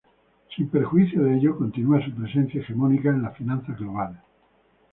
Sin perjuicio de ello, continúa su presencia hegemónica en las finanzas globales.